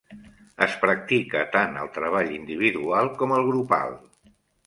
Es practica tant el treball individual com el grupal.